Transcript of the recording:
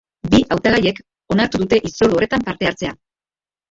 Bi hautagaiek onartu dute hitzordu horretan parte hartzea.